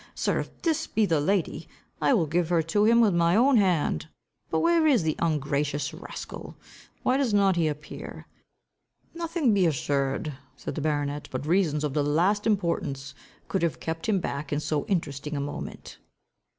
Sir, if this be the lady, I will give her to him with my own hand. But where is the ungracious rascal? Why does not he appear?" "Nothing, be assured," said the baronet, "but reasons of the last importance, could have kept him back in so interesting a moment."